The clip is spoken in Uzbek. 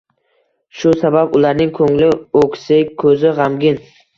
Shu sabab ularning ko‘ngli o‘ksik, ko‘zi g‘amgin.